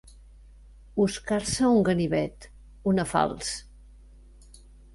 Oscar-se un ganivet, una falç.